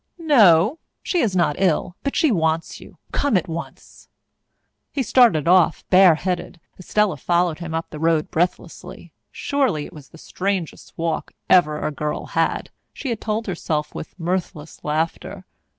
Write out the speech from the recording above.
"No, she is not ill. But she wants you. Come at once." He started off bareheaded. Estella followed him up the road breathlessly. Surely it was the strangest walk ever a girl had, she told herself with mirthless laughter.